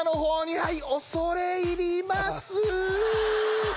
はい恐れ入ります